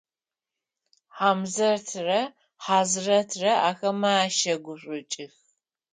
Хьамзэтрэ Хьазрэтрэ ахэмэ ащэгушӏукӏых.